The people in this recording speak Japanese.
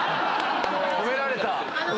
褒められた。